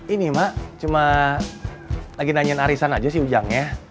ini mak cuma lagi nanyain arisan aja sih ujangnya